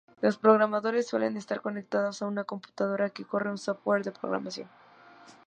Los programadores suelen estar conectados a una computadora que corre un software de programación.